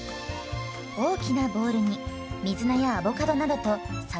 大きなボウルに水菜やアボカドなどとさばを入れたら。